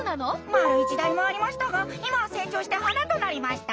丸い時代もありましたが今は成長して花となりました。